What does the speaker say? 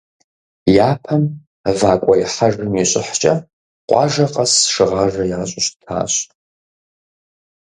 Япэм вакӏуэихьэжым и щӏыхькӏэ къуажэ къэс шыгъажэ ящӏу щытащ.